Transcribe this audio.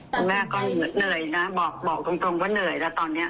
คุณแม่ก็เหนื่อยนะบอกตรงว่าเหนื่อยแล้วตอนนี้